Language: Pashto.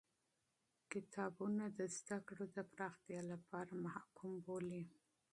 کتابونه د علم د پراختیا لپاره محکوم بولی.